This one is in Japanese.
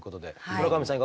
村上さん